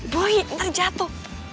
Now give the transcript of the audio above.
boleh entar jatuh